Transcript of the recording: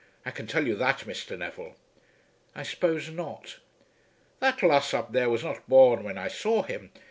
I can tell you that, Mr. Neville." "I suppose not." "That lass up there was not born when I saw him.